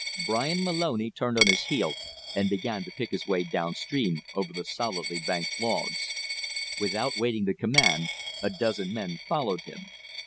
Bryan Moloney turned on his heel and began to pick his way down stream over the solidly banked logs. Without waiting the command, a dozen men followed him.